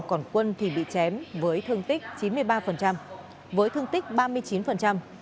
còn quân thì bị chém với thương tích chín mươi ba với thương tích ba mươi chín